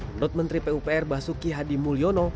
menurut menteri pupr basuki hadi mulyono